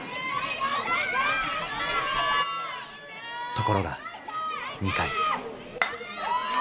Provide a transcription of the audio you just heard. ところが２回。